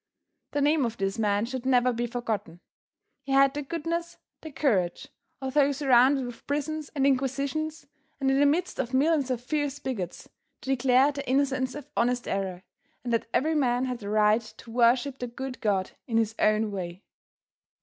The name of this man should never be forgotten. He had the goodness, the courage, although surrounded with prisons and inquisitions, and in the midst of millions of fierce bigots, to declare the innocence of honest error, and that every man had a right to worship the good God in his own way.